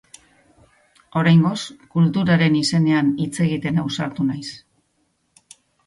Oraingoz, kulturaren izenean hitz egiten ausartu naiz.